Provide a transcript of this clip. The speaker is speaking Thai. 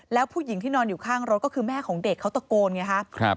แล้วผู้หญิงที่นอนอยู่ข้างรถก็คือแม่ของเด็กเขาตะโกนไงครับ